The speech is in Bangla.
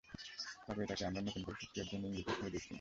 তবে এটাকে আমরা নতুন করে শক্তি অর্জনের ইঙ্গিত হিসেবে দেখছি না।